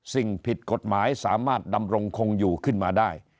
สิ่งผิดกฎหมายสามารถดำรงคงอยู่ขึ้นมาได้